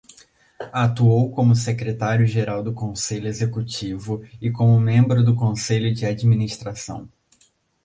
Atuou como secretário-geral do Conselho Executivo e como membro do Conselho de administração.